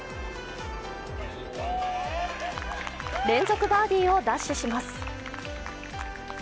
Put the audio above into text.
連続バーディーを奪取します。